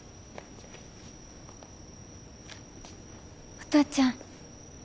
お父ちゃん？